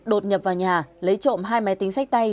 đột nhập vào nhà lấy trộm hai máy tính sách tay